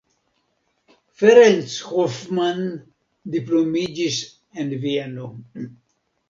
Ferenc Hoffmann diplomiĝis en Vieno.